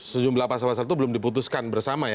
sejumlah pasal pasal itu belum diputuskan bersama ya